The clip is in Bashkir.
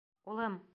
— Улым!